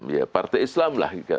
ya partai islam lah